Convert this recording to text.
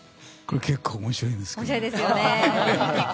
これ結構、面白いんですよね。